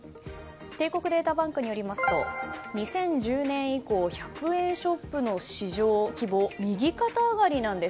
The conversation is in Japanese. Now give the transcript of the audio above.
帝国データバンクによりますと２０１０年以降１００円ショップの市場規模右肩上がりなんです。